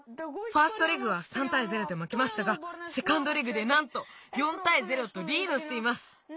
ファーストレグは３たい０でまけましたがセカンドレグでなんと４たい０とリードしています。